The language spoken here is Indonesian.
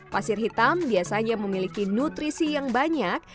pasir hitam biasanya memiliki nutrisi yang banyak